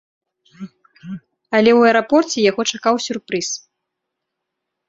Але ў аэрапорце яго чакаў сюрпрыз.